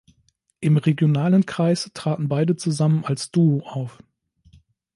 Im regionalen Kreis traten beide zusammen als Duo auf.